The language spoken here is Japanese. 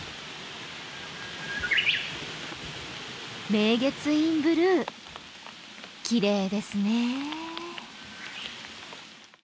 明月院ブルー、きれいですね。